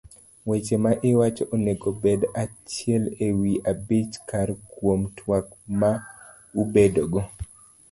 Weche ma iwacho onego obed achiel ewi abich kar kuom twak ma ubedogo.